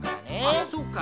あっそうか。